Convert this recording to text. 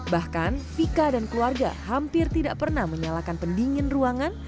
bahkan vika dan keluarga hampir tidak pernah menyalakan pendingin ruangan